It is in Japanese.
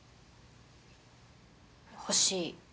欲しい。